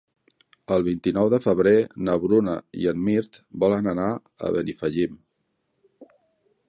El vint-i-nou de febrer na Bruna i en Mirt volen anar a Benifallim.